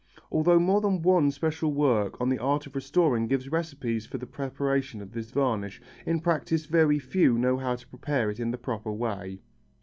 Although more than one special work on the art of restoring gives recipes for the preparation of this varnish, in practice very few know how to prepare it in the proper way.